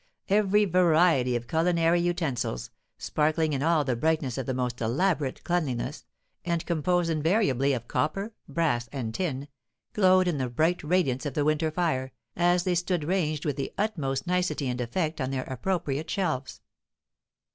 Every variety of culinary utensils, sparkling in all the brightness of the most elaborate cleanliness, and composed invariably of copper, brass, and tin, glowed in the bright radiance of the winter fire, as they stood ranged with the utmost nicety and effect on their appropriate shelves.